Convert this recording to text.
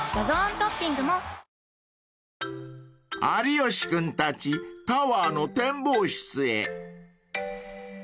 ［有吉君たちタワーの展望室へ］